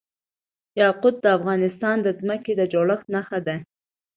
یاقوت د افغانستان د ځمکې د جوړښت نښه ده.